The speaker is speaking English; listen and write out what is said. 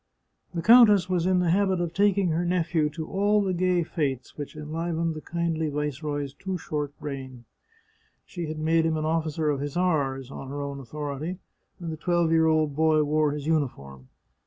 The countess was in the habit of taking her nephew to all the gay fetes which enlivened the kindly Viceroy's too short reign. She had made him an officer of hussars, on her own authority, and the twelve year old boy wore his uniform.